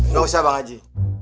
gak usah bang haji